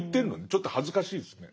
ちょっと恥ずかしいですね。